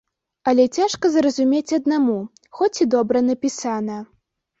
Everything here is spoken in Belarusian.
Але цяжка зразумець аднаму, хоць і добра напісана.